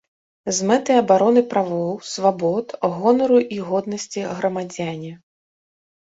З мэтай абароны правоў, свабод, гонару і годнасці грамадзяне.